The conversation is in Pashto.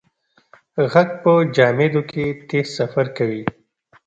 غږ په جامدو کې تېز سفر کوي.